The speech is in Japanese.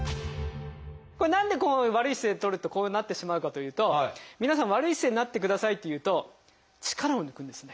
何でこう悪い姿勢とるとこうなってしまうかというと皆さん「悪い姿勢になってください」って言うと力を抜くんですね。